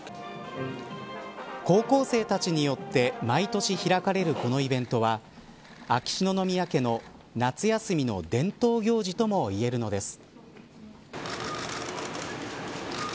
高校生たちによって毎年開かれるこのイベントは秋篠宮家の夏休みの伝統行事ともいえるのです。